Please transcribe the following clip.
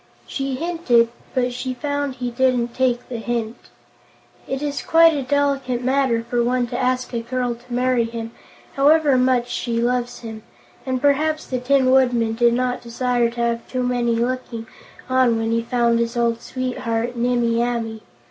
She hinted, but she found he didn't take the hint. It is quite a delicate matter for one to ask a girl to marry him, however much she loves him, and perhaps the Tin Woodman did not desire to have too many looking on when he found his old sweetheart, Nimmie Amee.